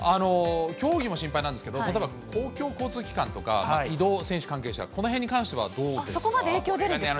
競技も心配なんですけど、例えば、公共交通機関とか、移動、選手関係者、このへんに関そこまで影響出るんですか。